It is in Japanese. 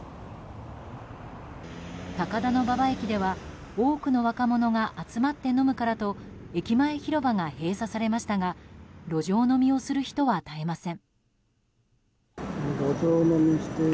高田馬場駅では多くの若者が集まって飲むからと駅前広場が閉鎖されましたが路上飲みをする人は絶えません。